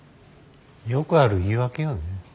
よくある言い訳よね。